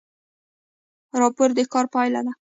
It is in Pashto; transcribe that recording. راپور د کار پایله ده